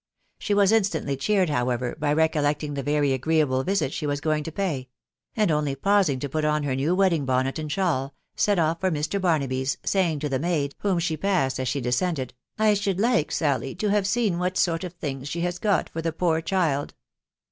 She was instantly cheered, however, by recollecting the very agreeable visit she was going to pay ; and only pausing to put on her new wedding bonnet and shawl, set off for Mr. Barnaby's, saying to the maid, whom she passed as she descended, " I should like, Sally, to have seen what sort of things she has got for the poor child."